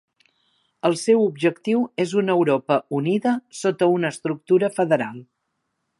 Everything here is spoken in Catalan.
El seu objectiu és una Europa unida sota una estructura federal.